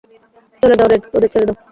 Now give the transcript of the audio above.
চলে যাও রেড, ওদের ছেড়ে দাও।